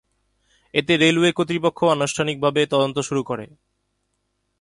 এতে রেলওয়ে কর্তৃপক্ষ আনুষ্ঠানিকভাবে তদন্ত শুরু করে।